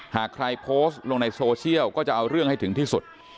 หากใครโพสต์ลงในโซเชียลก็จะเอาเรื่องให้ถึงที่สุด